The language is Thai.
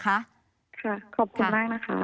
ค่ะขอบคุณแม่นะคะ